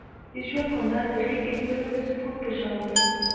د ژوند هنر د غېږې اېستلو د سپورت په شان دی.